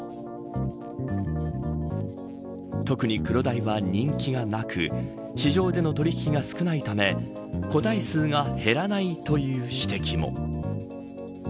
特に、クロダイは人気がなく市場での取り引きが少ないため個体数が減らないという指摘も。